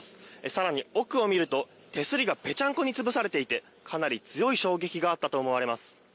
更に奥をみると、手すりがぺちゃんこに潰されていて、かなり強い衝撃があったとみられます。